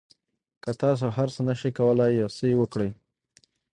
که تاسو هر څه نه شئ کولای یو څه یې وکړئ.